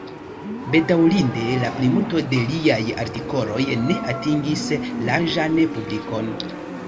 Bedaŭrinde, la plimulto de liaj artikoloj ne atingis larĝan publikon.